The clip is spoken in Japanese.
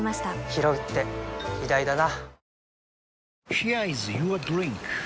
ひろうって偉大だな